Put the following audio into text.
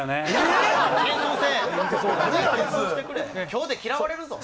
今日で嫌われるぞ。